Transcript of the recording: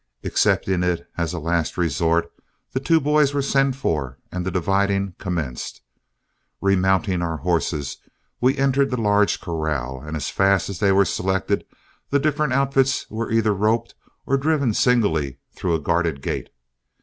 Accepting it as a last resort, the two boys were sent for and the dividing commenced. Remounting our horses, we entered the large corral, and as fast as they were selected the different outfits were either roped or driven singly through a guarded gate.